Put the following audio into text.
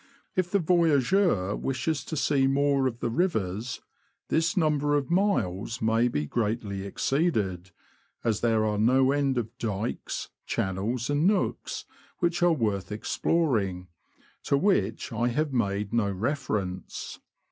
If the voyageur wishes to see more of the rivers, this number of miles may be greatly exceeded, as there are no end of dykes, channels, and nooks, which are worth exploring, to which I have made no refer ence.